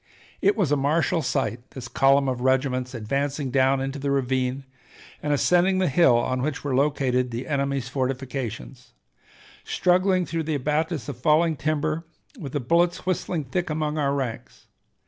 It was a martial sight, this column of regiments advancing down into the ravine and ascending the hill on which were located the enemy's fortifications, struggling through the abatis of fallen timber, with the bullets whistling thick among our ranks.